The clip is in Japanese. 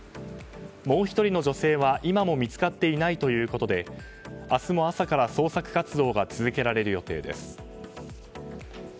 もう１人の女性は今も見つかっていないということで明日も朝から捜索活動が続けられる予定です。